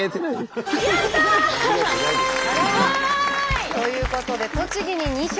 わい！ということで栃木に２票！